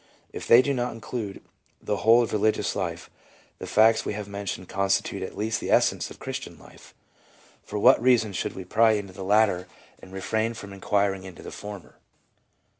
If they do not include the whole of religious life, the facts we have mentioned constitute at least the essence of Christian life ; for what reason should we pry into the latter 312 LEUBA : and refrain from inquiring into the former